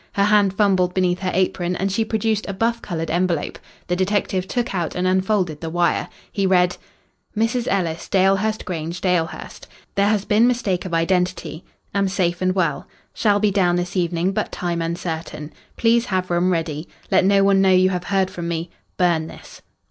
Her hand fumbled beneath her apron and she produced a buff coloured envelope. The detective took out and unfolded the wire. He read "Mrs. Ellis, Dalehurst Grange, Dalehurst. There has been mistake of identity. Am safe and well. Shall be down this evening, but time uncertain. Please have room ready. Let no one know you have heard from me. Burn this.